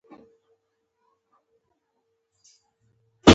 سمدستي یې چپړاسي ته وویل چې په منډه ولاړ شه.